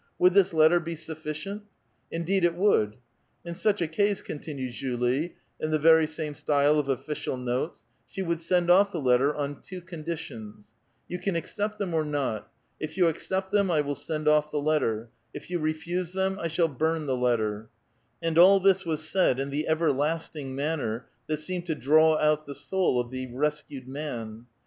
'' Would this letter be sufficient ?"" Indeed, it would." '' In such a case," contin ued Julie, in the very same style of official notes ; she would send off the letter on two conditions :" You can accept them or not; if you accept them, 1 will send off the letter; if you refuse them, I shall burn the letter ;" and all this was said in the everlasting manner that seemed to draw out the soul of the rescued man.